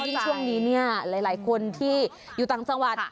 นะคะยิ่งช่วงนี้เนี้ยหลายหลายคนที่อยู่ต่างสังหวัด